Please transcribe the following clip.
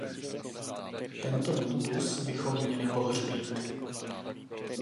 Tento mýtus bychom měli pohřbít.